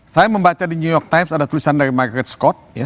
saya membaca di new york times ada tulisan dari market scott